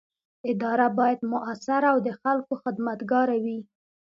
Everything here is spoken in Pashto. اداره باید مؤثره او د خلکو خدمتګاره وي.